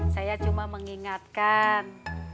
saya cuma mengingatkan